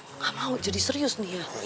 nggak mau jadi serius nih ya